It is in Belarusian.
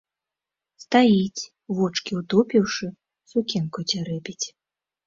Стаіць, вочкі ўтупіўшы, сукенку цярэбіць.